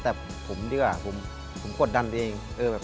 แต่ผมดีกว่าผมกดดันเอง